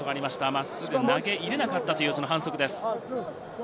真っすぐ投げ入れなかったという反則です。